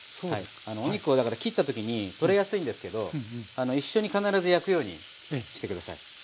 お肉をだから切った時に取れやすいんですけど一緒に必ず焼くようにして下さい。